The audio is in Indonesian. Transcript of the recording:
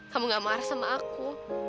kamu gak marah sama aku